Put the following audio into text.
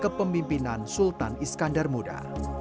kepimpinan sultan iskandar muda